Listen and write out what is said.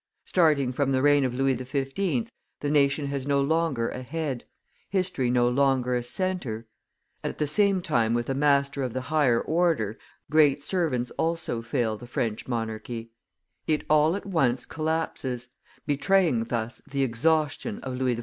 Starting from the reign of Louis XV. the nation has no longer a head, history no longer a centre; at the same time with a master of the higher order, great servants also fail the French monarchy; it all at once collapses, betraying thus the exhaustion of Louis XIV.